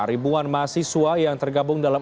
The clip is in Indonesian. ribuan mahasiswa yang tergabung dalam